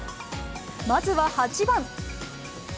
まずは８番。